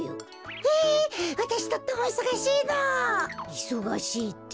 いそがしいって？